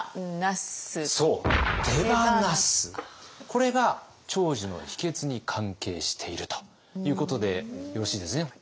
これが長寿の秘けつに関係しているということでよろしいですね。